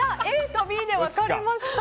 ＡとＢで分かれました。